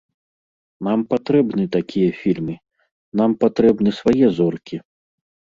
Нам патрэбны такія фільмы, нам патрэбны свае зоркі.